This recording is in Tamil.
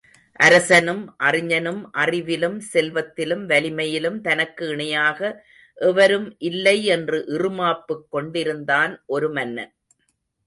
அரசனும் அறிஞனும் அறிவிலும் செல்வத்திலும் வலிமையிலும் தனக்கு இணையாக எவரும் இல்லை என்று இறுமாப்பு கொண்டிருந்தான் ஒரு மன்னன்.